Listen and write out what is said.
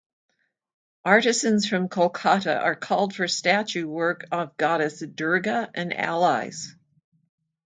Artisans from Kolkata are called for statue work of goddess Durga and allies.